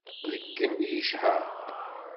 Ayyur deg yigenni yecher.